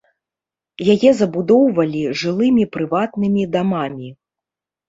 Яе забудоўвалі жылымі прыватнымі дамамі.